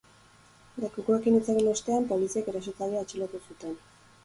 Lekukoekin hitz egin ostean, poliziek erasotzailea atxilotu zuten.